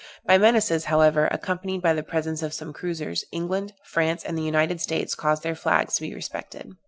By menaces, however, accompanied by the presence of some cruisers, England, France, and the United States caused their flags to be respected.